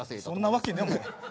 そんなわけねえ！